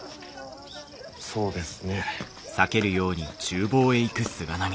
そうですね。